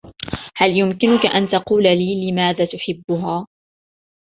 هل يمكنك أن تقول لي لماذا تحبها ؟